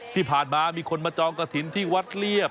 ที่ผ่านมามีคนมาจองกระถิ่นที่วัดเรียบ